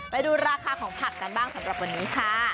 ไปดูราคาของผักกันบ้างสำหรับวันนี้ค่ะ